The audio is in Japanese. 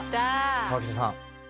河北さん。